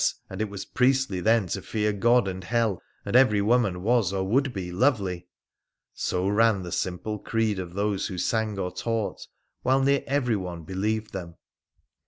and it was priestly then to fear God and hell, and every woman was, or would be, lovely ! So ran the simple creed of those who sang or taught, while near everyone believed them.